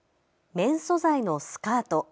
綿素材のスカート。